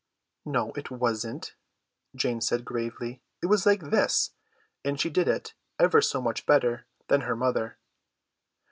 "No, it wasn't," Jane said gravely, "it was like this;" and she did it ever so much better than her mother.